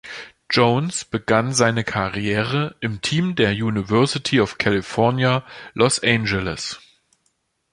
Jones begann seine Karriere im Team der University of California, Los Angeles.